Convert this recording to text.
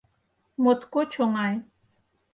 Моткоч оҥай: